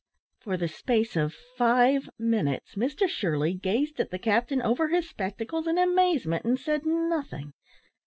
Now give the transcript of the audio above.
For the space of five minutes Mr Shirley gazed at the captain over his spectacles in amazement, and said nothing.